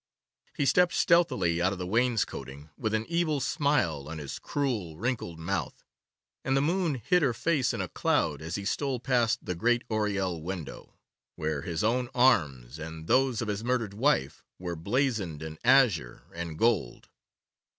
He stepped stealthily out of the wainscoting, with an evil smile on his cruel, wrinkled mouth, and the moon hid her face in a cloud as he stole past the great oriel window, where his own arms and those of his murdered wife were blazoned in azure and gold.